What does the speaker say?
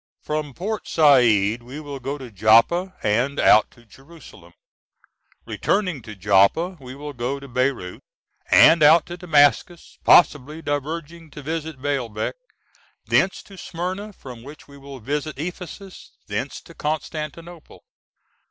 From Port Said we will go to Joppa and out to Jerusalem. Returning to Joppa we will go to Beirout, and out to Damascus possibly diverging to visit Baalbec, thence to Smyrna from which we will visit Ephesus, thence to Constantinople.